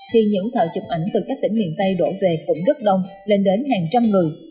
thì những thợ chụp ảnh từ các tỉnh miền tây đổ về cũng rất đông lên đến hàng trăm người